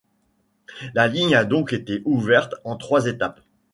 La ligne a donc été ouverte en trois étapes.